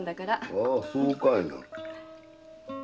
ああそうかいな。